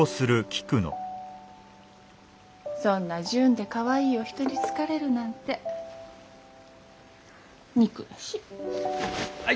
そんな純でかわいいお人に好かれるなんて憎らしい。